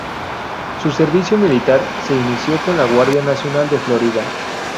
Su servicio militar se inició con la Guardia Nacional de Florida.